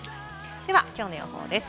ではきょうの予報です。